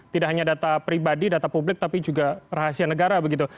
tidak hanya data pribadi data publik tapi juga rahasia negara begitu